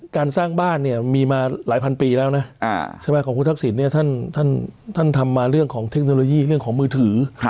การสร้างบ้านเนี่ยมีมาหลายพันปีแล้วนะใช่ไหมของคุณทักษิณเนี่ยท่านทำมาเรื่องของเทคโนโลยีเรื่องของมือถือ